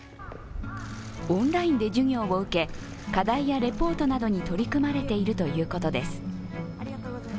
オンラインで授業を受け課題やレポートなどに取り組まれているということです。